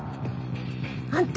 あんた！